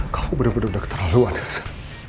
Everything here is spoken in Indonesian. kamu bener bener udah keterlaluan elsa